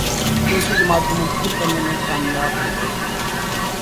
دوسری جماعت کو منتقل کرنے میں کامیاب ہو گئے۔